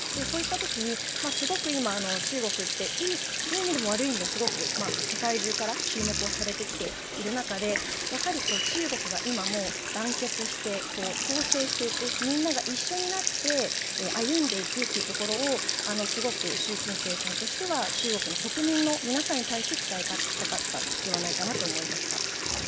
そういったときにすごく今、中国っていい意味でも悪い意味でも世界中から注目をされてきている中で、中国が今、団結して、統制していく、みんなが一緒になって歩んでいくというところをすごく習近平さんとしては、中国の国民の皆さんに対して伝えたかったのではないかなと思いました。